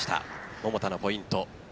桃田のポイント。